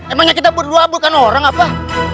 emangnya kita berdua bukan orang apa